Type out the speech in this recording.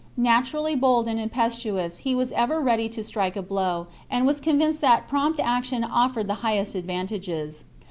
Naturally bold and impetuous, he was ever ready to strike a blow, and was convinced that prompt action offered the highest advantages.